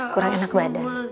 kurang enak badan